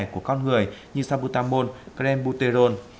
của con người như sabutamol crembuterol